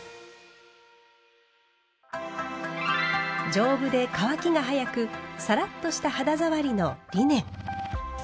丈夫で乾きが早くサラッとした肌触りのリネン。